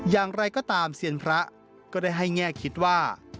อย่างไรก็ตามเซียนพระก็ได้ให้แง่คิดว่า